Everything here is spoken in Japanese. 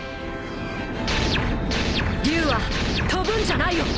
龍は飛ぶんじゃないよ。